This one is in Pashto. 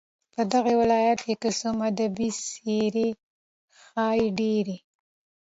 په دغه ولايت كې كه څه هم ادبي څېرې ښې ډېرې